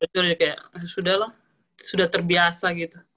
sudah kayak sudah lah sudah terbiasa gitu